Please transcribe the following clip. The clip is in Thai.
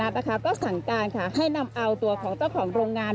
ก็สั่งการให้นำเอาตัวของเจ้าของโรงงาน